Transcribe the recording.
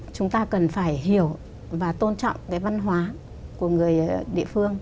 chúng ta cần phải hiểu và tôn trọng cái văn hóa của người địa phương